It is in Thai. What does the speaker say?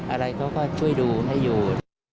อะไรเขาก็ช่วยดูให้อยู่